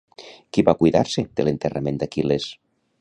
Qui va cuidar-se de l'enterrament d'Aquil·les?